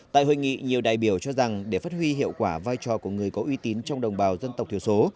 tại hội nghị nhiều đại biểu cho rằng để phát huy hiệu quả vai trò của người có uy tín trong đồng bào dân tộc thiểu số